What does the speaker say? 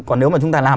còn nếu mà chúng ta làm